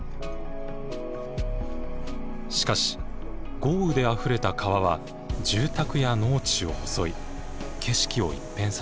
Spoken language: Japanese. しかし豪雨であふれた川は住宅や農地を襲い景色を一変させました。